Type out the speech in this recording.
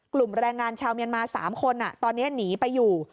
แรงงานชาวเมียนมา๓คนตอนนี้หนีไปอยู่